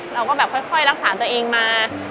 เราก็แบบค่อยรักษาตัวเองมา